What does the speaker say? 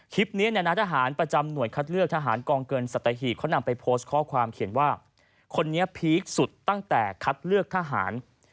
ก็นำไปโพสต์ข้อความเขียนว่าคนนี้พีคสุดตั้งแต่คัดเลือกทหาร